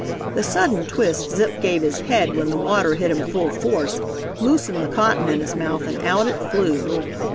The sudden twist Zip gave his head when the water hit him full force, loosened the cotton in his mouth, and out it flew.